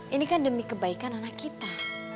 ini kan demi kebaikan anak kita